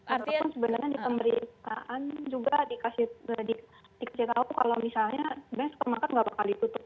ataupun sebenarnya di pemerintahan juga dikasih tahu kalau misalnya mereka suka makan tidak akan ditutup